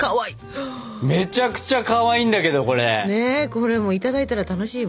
これいただいたら楽しいわ！